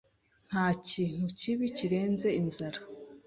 Ntakintu kibi kirenze inzara.